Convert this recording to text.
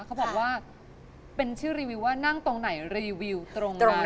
เขาบอกว่าเป็นชื่อรีวิวว่านั่งตรงไหนรีวิวตรงไหน